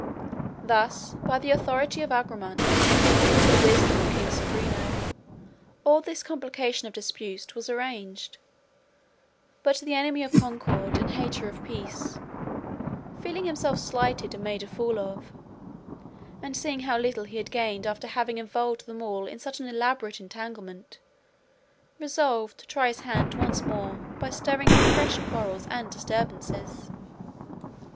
Thus by the authority of Agramante and the wisdom of King Sobrino all this complication of disputes was arranged; but the enemy of concord and hater of peace, feeling himself slighted and made a fool of, and seeing how little he had gained after having involved them all in such an elaborate entanglement, resolved to try his hand once more by stirring up fresh quarrels and disturbances.